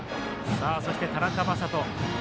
そして田中聖人。